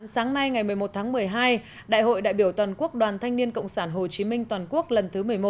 sáng nay ngày một mươi một tháng một mươi hai đại hội đại biểu toàn quốc đoàn thanh niên cộng sản hồ chí minh toàn quốc lần thứ một mươi một